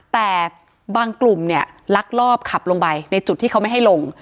แต่บางกลุ่มเนี่ยลักลอบขับลงไปในจุดที่เขาไม่ให้ลง